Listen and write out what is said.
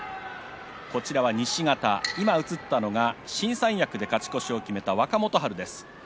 西方、今映ったのは新三役で勝ち越しを決めた若元春です。